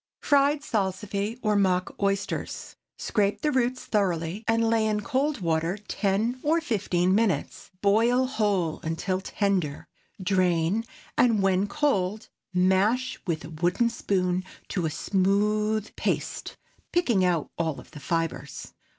FRIED SALSIFY, OR MOCK OYSTERS. ✠ Scrape the roots thoroughly, and lay in cold water ten or fifteen minutes. Boil whole until tender, drain, and when cold, mash with a wooden spoon to a smooth paste, picking out all the fibres.